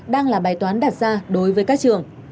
đang là bài toán đặt ra đối với các trường